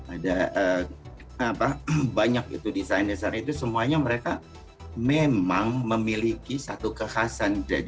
ada banyak itu desain desain itu semuanya mereka memang memiliki satu kekhasan